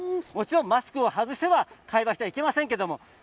もちろんマスクを外しては会話してはいけませんが。